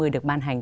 được ban hành